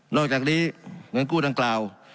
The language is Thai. อกจากนี้เงินกู้ดังกล่าว